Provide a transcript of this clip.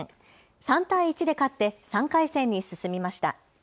３対１で勝って３回戦に進みました。